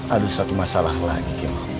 ada satu masalah lagi